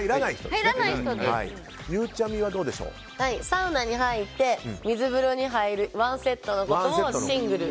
サウナに入って水風呂に入る１セットのことをシングル。